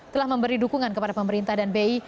telah memberi dukungan kepada pemerintah dan bi